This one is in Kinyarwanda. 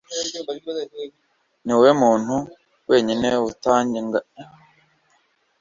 niwowe muntu wenyine utajya yinubira ibiryo hano